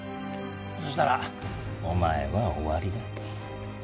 そしたらお前は終わりだ。